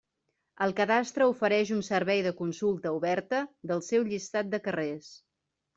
El cadastre ofereix un servei de consulta oberta del seu llistat de carrers.